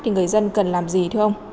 thì người dân cần làm gì thưa ông